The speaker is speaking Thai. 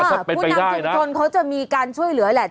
ผู้นำชุมชนเขาจะมีการช่วยเหลือแหละ